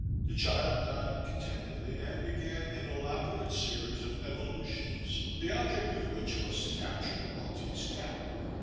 The child nodded contentedly and began an elaborate series of evolutions, the object of which was to capture the Maltese cat.